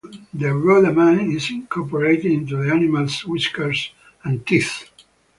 The rhodamine is incorporated into the animal's whiskers and teeth.